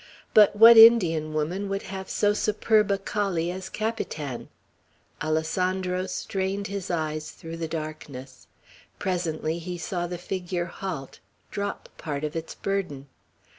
But what Indian woman would have so superb a collie as Capitan? Alessandro strained his eyes through the darkness. Presently he saw the figure halt, drop part of its burden.